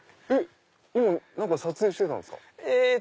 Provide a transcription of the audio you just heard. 今何か撮影してたんですか？